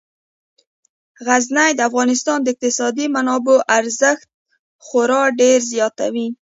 غزني د افغانستان د اقتصادي منابعو ارزښت خورا ډیر زیاتوي.